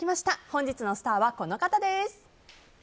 本日のスターはこの方です。